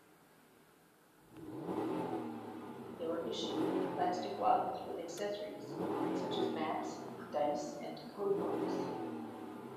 They were issued in plastic wallets with accessories such as maps, dice and codebooks.